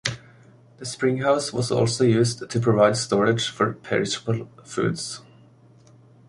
The springhouse was also used to provide storage for perishable foods.